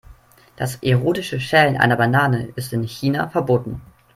Das erotische Schälen einer Banane ist in China verboten.